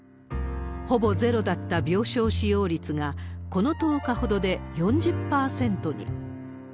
ほぼゼロだった病床使用率が、この１０日ほどで４０％に。